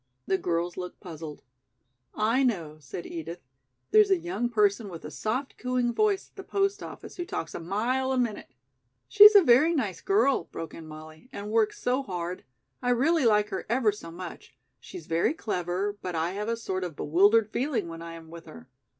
The girls looked puzzled. "I know," said Edith. "There's a young person with a soft cooing voice at the post office who talks a mile a minute." "She's a very nice girl," broke in Molly, "and works so hard. I really like her ever so much. She's very clever, but I have a sort of bewildered feeling when I am with her."